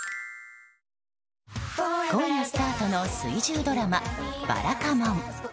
今夜スタートの水１０ドラマ「ばらかもん」。